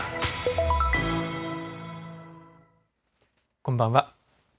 こんばんは。